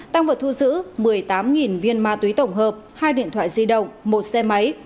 tăng vật thu giữ một mươi tám viên ma túy tổng hợp hai điện thoại di động một xe máy